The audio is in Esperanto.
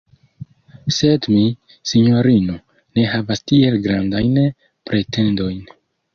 Sed mi, sinjorino, ne havas tiel grandajn pretendojn.